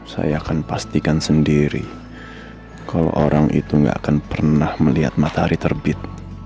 saya akan pastikan sendiri kalau orang itu gak akan pernah melihat matahari terbit